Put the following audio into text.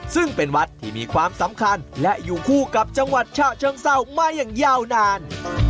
ซึ่งเป็นวัดที่มีความสำคัญและอยู่คู่กับจังหวัดฉะเชิงเศร้ามาอย่างยาวนาน